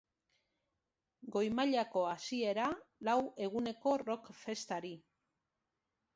Goi mailako hasiera, lau eguneko rock festari.